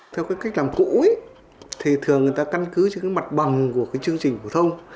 theo cái cách làm cũ thì thường người ta căn cứ cho cái mặt bằng của cái chương trình phổ thông